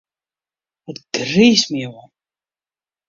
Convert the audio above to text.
It griist my oan.